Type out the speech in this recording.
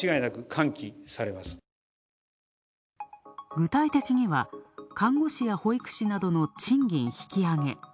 具体的には看護師や保育士などの賃金引上げ。